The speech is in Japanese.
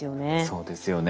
そうですよね。